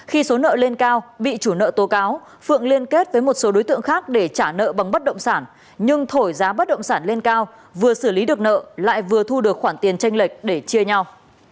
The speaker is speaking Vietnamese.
khi số nợ lên cao bị chủ nợ tố cáo phượng liên kết với một số đối tượng khác để trả nợ bằng bất động sản nhưng thổi giá bất động sản lên cao vừa xử lý được nợ lại vừa thu được khoản tiền tranh lệch để chia nhau